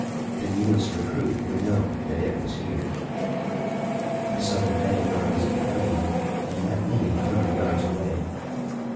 The newest recruit would know that it was here. The Southern vanguard was behind them and not many hundred yards away.